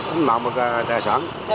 tính mạng và tài sản